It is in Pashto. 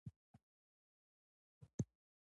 کېله له خوږو خوراکونو سره ځایناستېدای شي.